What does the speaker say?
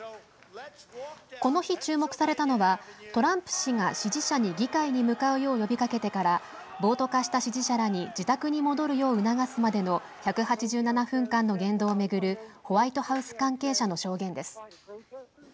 この日、注目されたのはトランプ氏が支持者に議会に向かうよう呼びかけてから暴徒化した支持者らに自宅に戻るよう促すまでの１８７分間の言動を巡るホワイトハウス関係者の証言です。